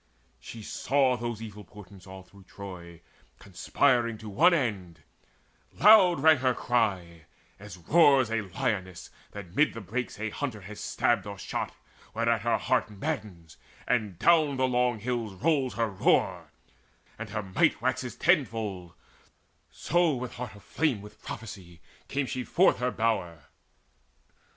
She saw those evil portents all through Troy Conspiring to one end; loud rang her cry, As roars a lioness that mid the brakes A hunter has stabbed or shot, whereat her heart Maddens, and down the long hills rolls her roar, And her might waxes tenfold; so with heart Aflame with prophecy came she forth her bower.